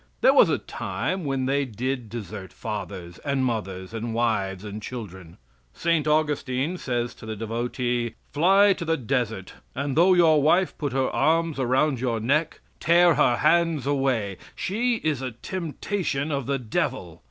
There was a time when they did desert fathers; and mothers, and wives and children. St. Augustine says to the devotee: "Fly to the desert, and though your wife put her arms around your neck, tear her hands away; she is a temptation of the devil.